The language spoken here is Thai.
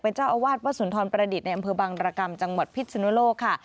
เจ้าอาวาสวัดสุนทรประดิษฐ์ในอำเภอบังรกรรมจังหวัดพิษนุโลกค่ะ